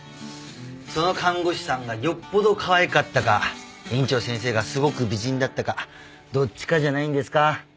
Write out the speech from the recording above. その看護師さんがよっぽどかわいかったか院長先生がすごく美人だったかどっちかじゃないんですか？